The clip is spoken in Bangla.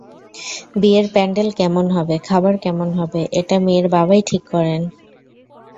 বিয়ের প্যান্ডেল কেমন হবে, খাবার কেমন হবে, এটা মেয়ের বাবাই ঠিক করেন।